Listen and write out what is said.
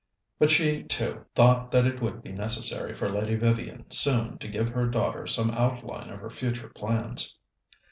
But she, too, thought that it would be necessary for Lady Vivian soon to give her daughter some outline of her future plans.